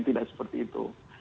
tidak seperti itu